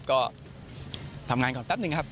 ก็ทำงานก่อนแป๊บหนึ่งครับ